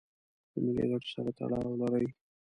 د ملي ګټو سره تړاو لري.